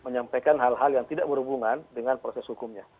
menyampaikan hal hal yang tidak berhubungan dengan proses hukumnya